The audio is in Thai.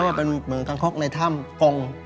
ก็เหมือนเป็นคังคกในถ้ำกง